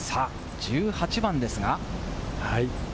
１８番ですが。